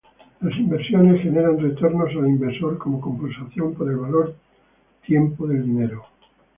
Las inversiones generan retornos al inversor como compensación por el valor tiempo del dinero.